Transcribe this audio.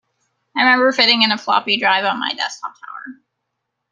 I remember fitting-in a floppy drive on my desktop tower.